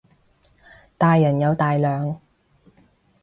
大人有大量